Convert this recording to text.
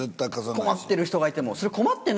困っている人がいても。